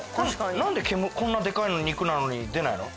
なんでこんなでかいお肉なのに出ないの？